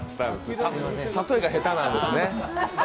例えが下手なんですね。